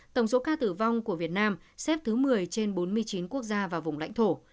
tổng số ca tử vong của việt nam xếp thứ một mươi trên bốn mươi chín quốc gia và vùng lãnh thổ